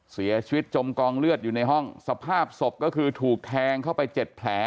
จมกองเลือดอยู่ในห้องสภาพศพก็คือถูกแทงเข้าไป๗แผล